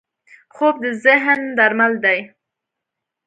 خوب د ذهن درمل دی